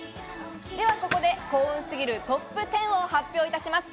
ではここで幸運すぎるトップ１０を発表いたします。